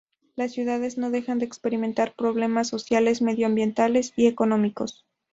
Las ciudades no dejan de experimentar problemas sociales, medioambientales y económicos.